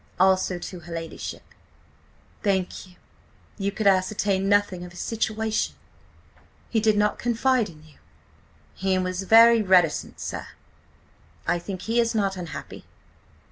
Also to her ladyship." "Thank you. ... You could–ascertain nothing of his situation? He did not confide in you?" "He was very reticent, sir. I think he is not unhappy."